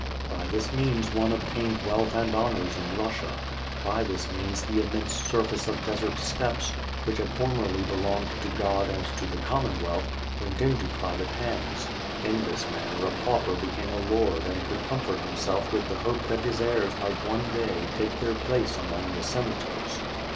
By this means one obtained wealth and honors in Russia; by this means the immense surface of desert steppes, which had formerly be longed to God and to the Commonwealth, went into private hands; in this manner a pauper became a lord and could comfort himself with the hope that his heirs might one day take their place among the Senators.